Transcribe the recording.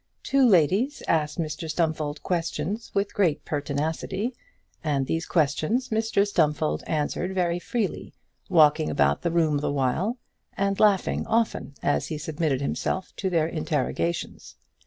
Two ladies asked Mr Stumfold questions with great pertinacity, and these questions Mr Stumfold answered very freely, walking about the room the while, and laughing often as he submitted himself to their interrogations.